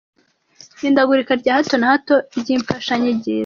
Ihindagurika rya hato na hato ry’imfashanyigisho.